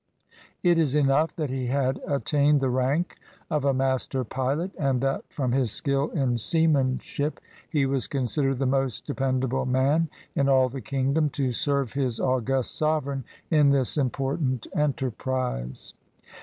It is enough that he had attained the rank of a master pilot and that, from his skill in seamanship, he was considered the most depend able man in all the kingdom to serve his august sovereign in this important enterprise.